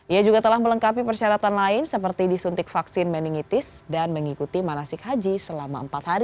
ia juga telah melengkapi persyaratan lain seperti disuntik vaksin meningitis dan mengikuti manasik haji selama empat hari